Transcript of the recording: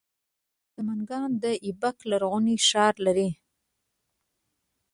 سمنګان د ایبک لرغونی ښار لري